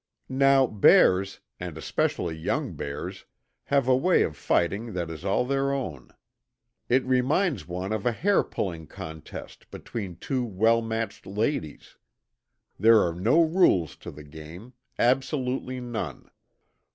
Now bears, and especially young bears, have a way of fighting that is all their own. It reminds one of a hair pulling contest between two well matched ladies. There are no rules to the game absolutely none.